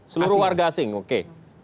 seluruh warga asing oke